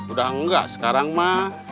udah nggak sekarang ma